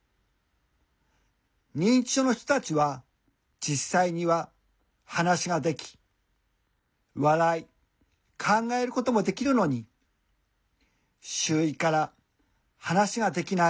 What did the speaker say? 認知症の人たちは実際には話ができ笑い考えることもできるのに周囲から『話ができない』